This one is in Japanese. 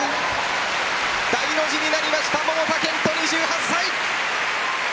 大の字になりました桃田賢斗、２８歳。